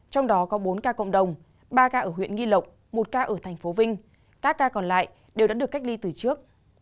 trong đó có bốn ca cộng đồng ba ca ở huyện nghi lộc một ca ở thành phố vinh các ca còn lại đều đã được cách ly từ trước